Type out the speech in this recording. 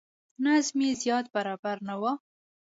نظم یې زیات برابر نه و.